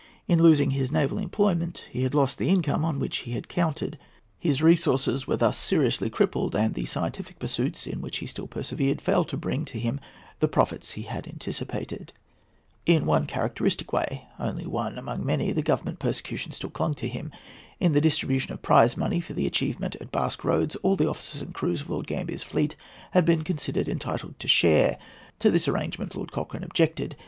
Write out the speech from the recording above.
In losing his naval employment he lost the income on which he had counted. His resources were thus seriously crippled; and the scientific pursuits, in which he still persevered, failed to bring to him the profit that he anticipated. In one characteristic way—only one among many—the Government persecution still clung to him. In the distribution of prize money for the achievement at Basque Roads all the officers and crews of Lord Grambier's fleet had been considered entitled to share. To this arrangement Lord Cochrane objected.